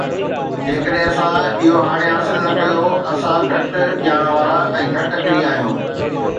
جيڪڏهن اسان اهو هاڻي حاصل نه ڪيو، اسان گهٽ ڄاڻ وارا ۽ گهٽ عقلي آهيون